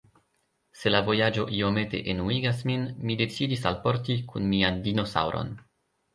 Se la vojaĝo iomete enuigas min, mi decidis alporti kun mian dinosaŭron.